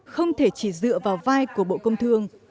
không thể chỉ dựa vào vai của bộ công thương